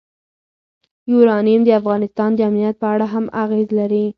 یورانیم د افغانستان د امنیت په اړه هم اغېز لري.